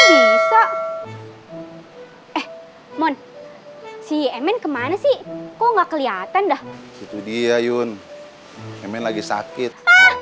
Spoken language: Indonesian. bisa eh mon si emen kemana sih kok nggak kelihatan dah itu dia yun emen lagi sakit